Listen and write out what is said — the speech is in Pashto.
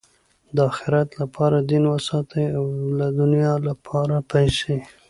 د آخرت له پاره دین وساتئ! او د دؤنیا له پاره پېسې.